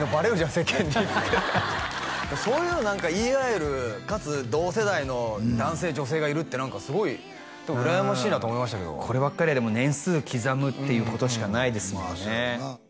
世間にっつってそういうの何か言い合えるかつ同世代の男性女性がいるってすごいうらやましいなと思いましたけどこればっかりはでも年数刻むっていうことしかないですもんね